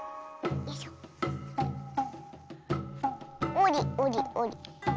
おりおりおり。